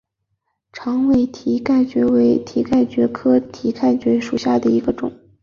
长尾蹄盖蕨为蹄盖蕨科蹄盖蕨属下的一个种。